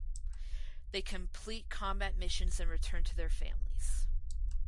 They complete combat missions and return to their families.